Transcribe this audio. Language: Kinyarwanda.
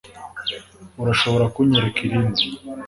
Urashobora kunyereka irindi